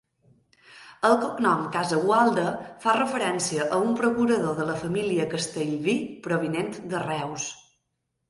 El cognom Casagualda fa referència a un procurador de la família Castellví provinent de Reus.